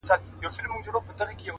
واپس دې وخندل واپس راپسې وبه ژاړې!